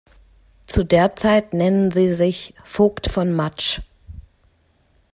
Zu der Zeit nennen sie sich "Vogt von Matsch".